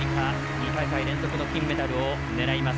２大会連続の金メダルを狙います。